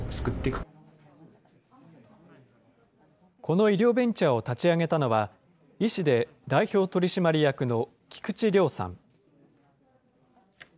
この医療ベンチャーを立ち上げたのは、医師で代表取締役の菊池亮さん。